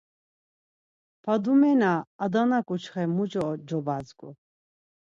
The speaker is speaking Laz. Fadumena, Adana ǩuçxe muç̌o cobazgu!